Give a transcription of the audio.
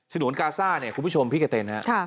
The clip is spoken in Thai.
นวนกาซ่าเนี่ยคุณผู้ชมพี่กะเต็นฮะ